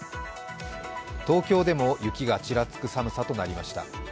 東京でも雪がちらつく寒さとなりました。